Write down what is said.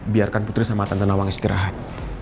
biarkan putri sama tante nawang istirahat